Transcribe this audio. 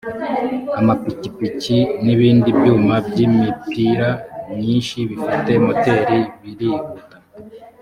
amapikipiki n ibindi byuma by’imipira myinshi bifite moteri birihuta